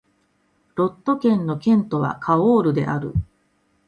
ロット県の県都はカオールである